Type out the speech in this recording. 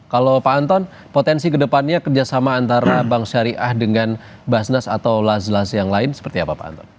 kalau pak anton potensi kedepannya kerjasama antara bank syariah dengan basnas atau laz laz yang lain seperti apa pak anton